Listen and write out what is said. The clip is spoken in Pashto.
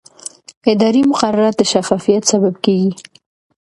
اداري مقررات د شفافیت سبب کېږي.